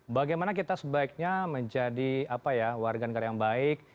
bagaimana kita sebaiknya menjadi warga negara yang baik